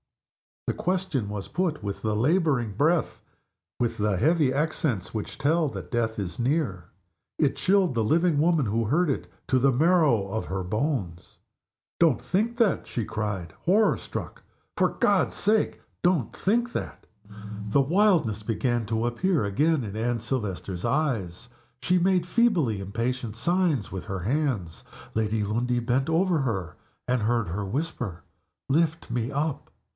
_" The question was put with the laboring breath, with the heavy accents which tell that death is near. It chilled the living woman who heard it to the marrow of her bones. "Don't think that!" she cried, horror struck. "For God's sake, don't think that!" The wildness began to appear again in Anne Silvester's eyes. She made feebly impatient signs with her hands. Lady Lundie bent over her, and heard her whisper, "Lift me up."